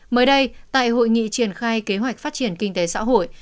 mới đây tại hội nghị triển khai kế hoạch phát triển kinh tế xã hội